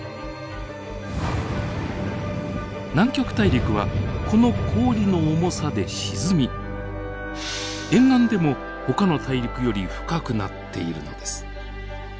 南極大陸はこの氷の重さで沈み沿岸でもほかの大陸より深くなっているのです。